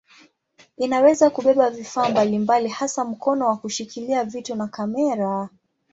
Inaweza kubeba vifaa mbalimbali hasa mkono wa kushikilia vitu na kamera.